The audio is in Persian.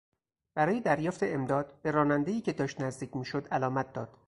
برای دریافت امداد به رانندهای که داشت نزدیک میشد علامت داد.